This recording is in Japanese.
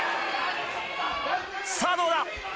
さぁどうだ？